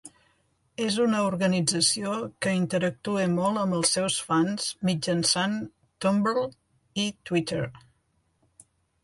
És una organització que interactua molt amb els seus fans mitjançant Tumblr i Twitter.